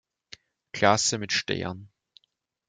Klasse mit Stern.